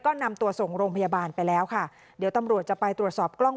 ก็นำตัวส่งโรงพยาบาลไปแล้วค่ะเดี๋ยวตำรวจจะไปตรวจสอบกล้อง